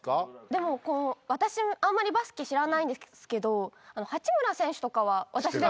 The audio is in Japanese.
でもこの私あんまりバスケ知らないんですけど八村選手とかは私でもやっぱり。